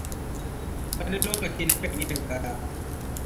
Wani lokacin na kan yi ninkaya.